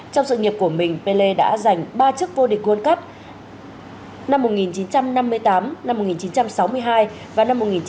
trong sự nghiệp của mình pele đã giành ba chức vô địch world cup năm một nghìn chín trăm năm mươi tám một nghìn chín trăm sáu mươi hai và một nghìn chín trăm bảy mươi